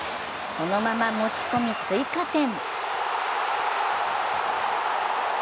そのまま持ち込み追加点。